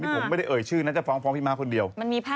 ผมไม่ได้เอ่ยชื่อนะจะฟ้องฟ้องพี่ม้าคนเดียว